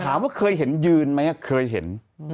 ถามว่าเคยเห็นยืนไหมเคยเห็น